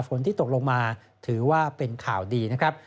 ฝนที่ตกลงมาถือว่าเป็นข่าวดีนะครับ